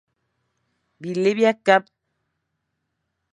Bilé bia kabe.